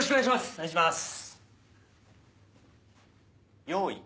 お願いします！